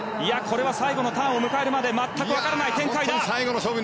最後のターンを迎えるまで全く分からない展開だ。